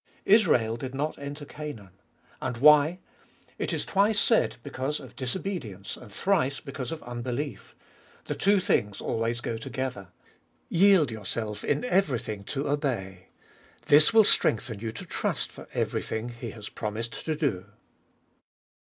2. Israel did not enter Canaan. And why? ft is twice said because of disobedience, and thrice because of unbelief. The two things always go together. Yield yourself in everything to obey. This will strengthen you to trust for everything He has promised to do.